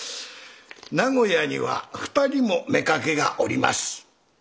名古屋には２人も妾がおります。